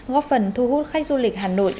góp phần thu hút khách du lịch hà nội